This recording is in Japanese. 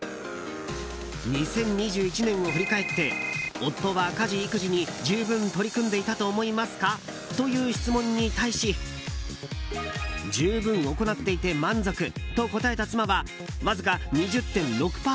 ２０２１年を振り返って夫は家事・育児に十分取り組んでいたと思いますか？という質問に対し十分行っていて満足と答えた妻はわずか２０．６％